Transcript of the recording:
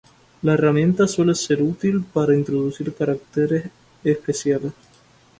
La herramienta suele ser útil para introducir caracteres especiales.